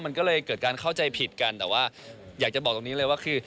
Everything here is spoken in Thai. มันก็เลยเกิดการเข้าใจผิดกันแต่ว่าอยากจะบอกตรงนี้เลยว่าคือ